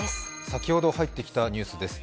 先ほど入ってきたニュースです。